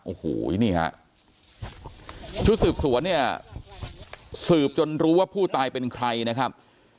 โอ้โหนี่นี่ครับชุดสืบสวนสืบจนรู้ว่าผู้ตายเป็นใครนะครับ